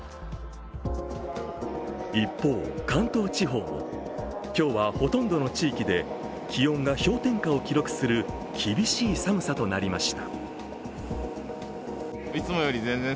一方、関東地方も今日はほとんどの地域で気温が氷点下を記録する厳しい寒さとなりました。